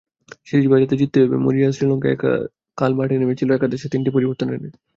Series বাঁচাতে জিততেই হবে, মরিয়া শ্রীলঙ্কা কাল মাঠে নেমেছিল একাদশে তিনটি পরিবর্তন এনে।